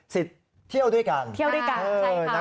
สิทธิ์เที่ยวด้วยกัน